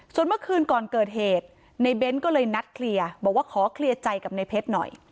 ส่วนเมื่อคืนก่อนเกิดเหตุในเบ้นก็เลยนัดเคลียร์บอกว่าขอเคลียร์ใจกับในเพชรหน่อย